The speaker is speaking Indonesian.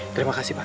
terima kasih pak